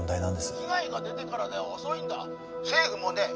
被害が出てからでは遅い政府もね